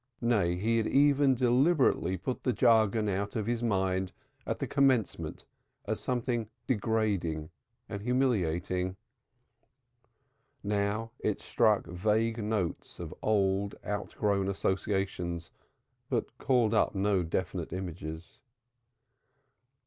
Nay, he had even deliberately put the jargon out of his mind at the commencement as something degrading and humiliating. Now it struck vague notes of old outgrown associations but called up no definite images.